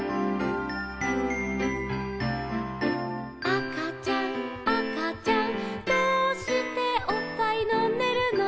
「あかちゃんあかちゃんどうしておっぱいのんでるの」